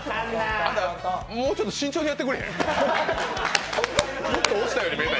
もうちょっと慎重にやってくれへん？